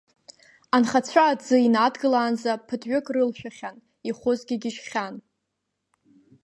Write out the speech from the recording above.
Анхацәа, аҭӡы инадгылаанӡа, ԥыҭ-ҩык рылшәахьан, ихәызгьы гьежьхьан.